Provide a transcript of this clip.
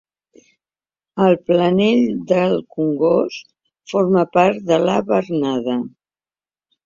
El Planell del Congost forma part de la Bernada.